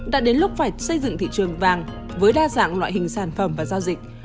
đã đến lúc phải xây dựng thị trường vàng với đa dạng loại hình sản phẩm và giao dịch